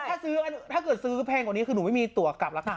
ถ้าซื้อถ้าเกิดซื้อแพงกว่านี้คือหนูไม่มีตัวกลับราคา